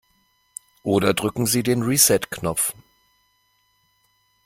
Oder drücken Sie den Reset-Knopf.